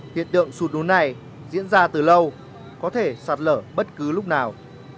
hiện tượng sụt lún này diễn ra từ lâu có thể sạt lở bất cứ lúc nào